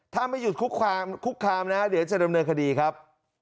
ถ้าไม่อยุ่นคุกคามคุกคามนะเดี๋ยวให้เจดำเนื้อคดีครับ